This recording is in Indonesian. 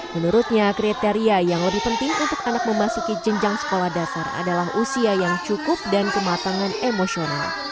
menurutnya kriteria yang lebih penting untuk anak memasuki jenjang sekolah dasar adalah usia yang cukup dan kematangan emosional